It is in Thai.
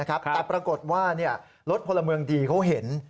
แต่ปรากฏว่ารถพลเมืองดีเขาเห็น